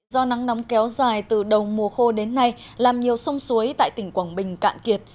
do nắng nóng kéo dài từ đầu mùa khô đến nay làm nhiều sông suối tại tỉnh quảng bình cạn kiệt